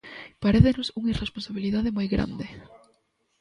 Parécenos unha irresponsabilidade moi grande.